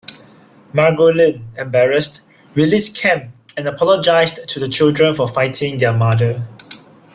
Margolin, embarrassed, released Kemp and apologized to the children for fighting their mother.